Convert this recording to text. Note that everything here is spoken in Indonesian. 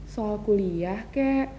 soal kuliah kek